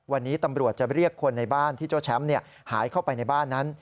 วันนี้ตำรวจจะเรียกคนในบ้านที่เจ้าแชมป์หายเข้าไปในบ้านนั้น